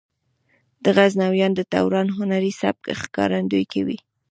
د غزنویانو د دوران هنري سبک ښکارندويي کوي.